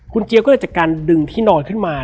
คุณเจี๊ยก็เลยจากการดึงที่นอนขึ้นมา